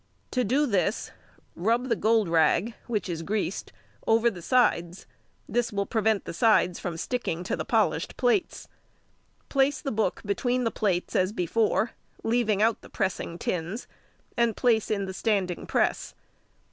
To do this, rub the gold rag, which is greased, over the sides, this will prevent the sides from sticking to the polished plates. Place the book between the plates as before, leaving out the pressing tins, and place in the standing press.